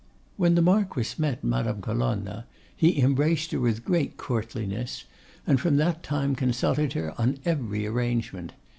When the Marquess met Madame Colonna he embraced her with great courtliness, and from that time consulted her on every arrangement.